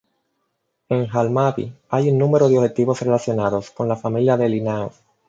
En Hammarby hay un número de objetos relacionados con la familia de Linnaeus.